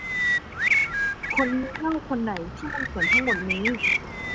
คนงี่เง่าคนไหนที่มันเขียนทั้งหมดนี้ ?